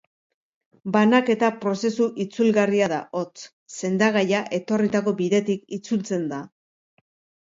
Banaketa prozesu itzulgarria da, hots, sendagaia etorritako bidetik itzultzen da.